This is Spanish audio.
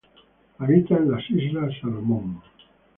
Habita en las Islas Salomón.